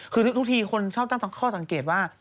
คือทุกทีคนชอบตั้งข้อสังเกตว่า